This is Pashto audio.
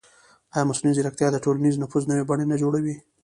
ایا مصنوعي ځیرکتیا د ټولنیز نفوذ نوې بڼې نه جوړوي؟